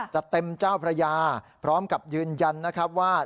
จะเต็มเจ้าพระยาพร้อมกับยืนยันนะครับว่า